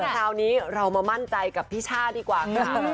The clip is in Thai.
คราวนี้เรามามั่นใจกับพี่ช่าดีกว่าค่ะ